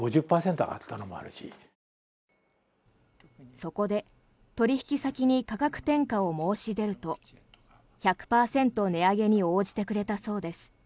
そこで取引先に価格転嫁を申し出ると１００％値上げに応じてくれたそうです。